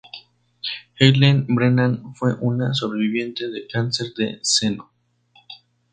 Eileen Brennan fue una sobreviviente de cáncer de seno.